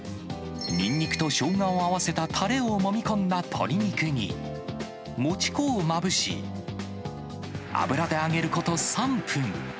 にんにくとしょうがを合わせたたれをもみ込んだ鶏肉に、もち粉をまぶし、油で揚げること３分。